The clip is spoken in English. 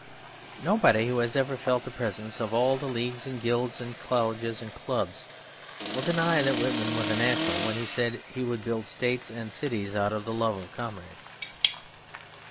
Nobody who has felt the presence of all the leagues and guilds and college clubs will deny that Whitman was national when he said he would build states and cities out of the love of comrades.